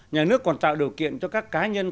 nhà nước còn tạo điều kiện cho các cá nhân